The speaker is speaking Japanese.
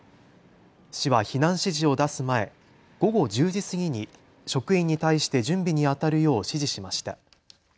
市は避難指示を出す前、午後１０時過ぎに職員に対して準備にあたるよう指示しました。